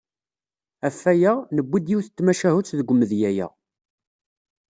Ɣef waya, newwi-d yiwet n tmacahut deg umedya-a.